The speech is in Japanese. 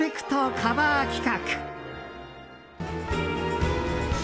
カバー企画。